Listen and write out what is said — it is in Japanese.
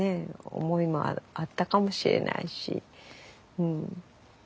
思いもあったかもしれないし。